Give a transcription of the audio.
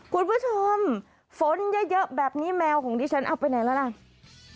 คุณผู้ชมฝนเยอะแบบนี้แมวของดิฉันเอาไปไหนแล้วล่ะ